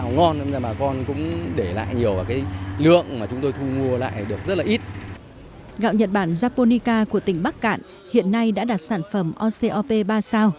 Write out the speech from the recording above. gạo nhật bản japonica của tỉnh bắc cạn hiện nay đã đạt sản phẩm ocop ba sao